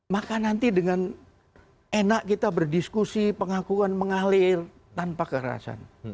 maka nanti dengan enak kita berdiskusi pengakuan mengalir tanpa kekerasan